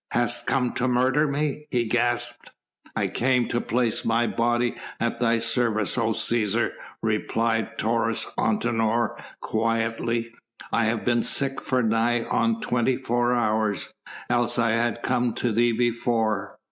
"Hast come to murder me?" he gasped. "I came to place my body at thy service, O Cæsar," replied Taurus Antinor quietly. "I have been sick for nigh on twenty four hours, else I had come to thee before.